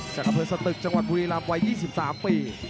จากอำเภอสตึกจังหวัดบุรีรำวัย๒๓ปี